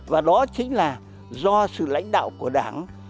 và đó chính là do sự lãnh đạo của đảng